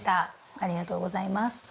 ありがとうございます。